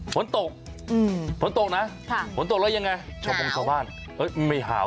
ฝนตกน่ะแล้วยังไงโชว์บองชาวบ้านก็หาว